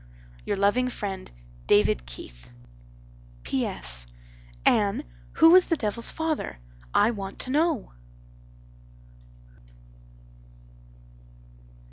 "Your loving friend DAVID KEITH" "P.S. Anne, who was the devils father? I want to know."